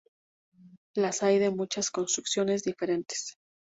Las hay de muchas construcciones diferentes.